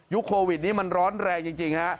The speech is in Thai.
โควิดนี้มันร้อนแรงจริงฮะ